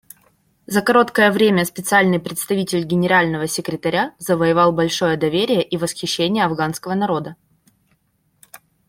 За короткое время Специальный представитель Генерального секретаря завоевал большое доверие и восхищение афганского народа.